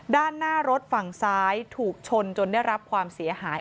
ด้านหน้ารถฝั่งซ้ายถูกชนจนได้รับความเสียหาย